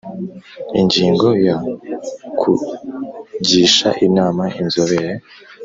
Ingingo ya Kugisha inama inzobere